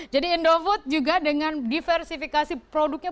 jadi indofood juga dengan diversifikasi produknya